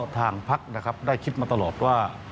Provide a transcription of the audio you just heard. ทางพักนะครับได้คิดมาตลอดว่า